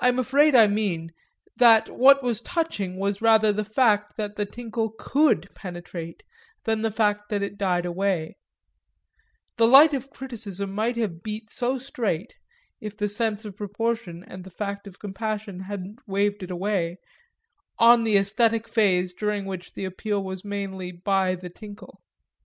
I am afraid I mean that what was touching was rather the fact that the tinkle could penetrate than the fact that it died away; the light of criticism might have beat so straight if the sense of proportion and the fact of compassion hadn't waved it away on the æsthetic phase during which the appeal was mainly by the tinkle.